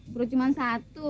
perut cuma satu